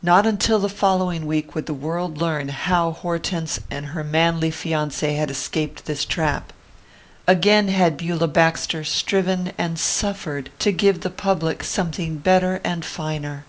Not until the following week would the world learn how Hortense and her manly fiance had escaped this trap. Again had Beulah Baxter striven and suffered to give the public something better and finer.